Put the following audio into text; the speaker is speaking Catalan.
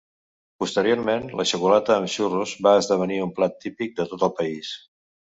Posteriorment, la xocolata amb xurros va esdevenir un plat típic de tot el país.